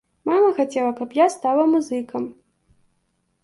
Мама хацела, каб я стала музыкам.